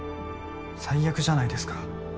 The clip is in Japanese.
最悪じゃないですか。